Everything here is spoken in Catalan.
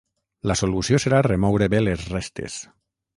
La solució serà remoure bé les restes.